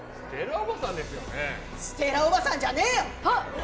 ステラおばさんじゃねーよ！